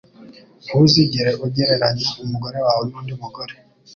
Ntuzigere ugereranya umugore wawe nundi mugore